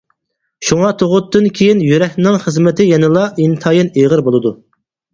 شۇڭا تۇغۇتتىن كېيىن يۈرەكنىڭ خىزمىتى يەنىلا ئىنتايىن ئېغىر بولىدۇ.